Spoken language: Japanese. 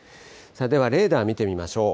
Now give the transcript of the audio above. ではレーダー見てみましょう。